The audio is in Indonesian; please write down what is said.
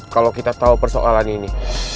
kalau kita tahu persoalan ini